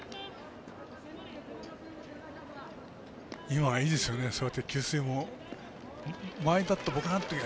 今はいいですよね、給水も。